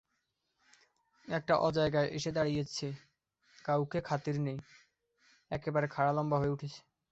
একটা অজায়গায় এসে দাঁড়িয়ে কাউকে খাতির নেই, একেবারে খাড়া লম্বা হয়ে উঠছে।